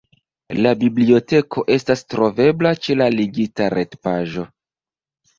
La biblioteko estas trovebla ĉe la ligita retpaĝo.